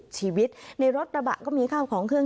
ชีวิตในรถกระบะก็มีข้าวของเครื่อง